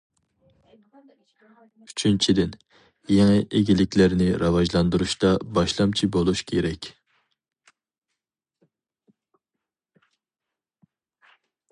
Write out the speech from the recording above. ئۈچىنچىدىن، يېڭى ئىگىلىكلەرنى راۋاجلاندۇرۇشتا باشلامچى بولۇش كېرەك.